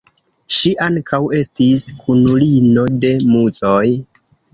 Ŝi ankaŭ estis kunulino de Muzoj.